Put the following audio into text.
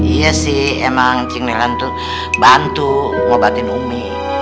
iya sih emang cing nelan tuh bantu ngobatin umi